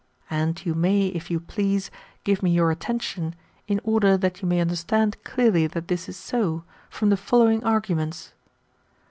And you may, if you please^ give me your attention, in order that you may understand clearly that this is so, from the following arguments.